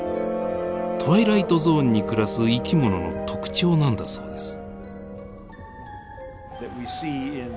トワイライトゾーンに暮らす生き物の特徴なんだそうです。